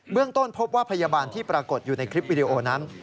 ต้นพบว่าพยาบาลที่ปรากฏอยู่ในคลิปวิดีโอนั้น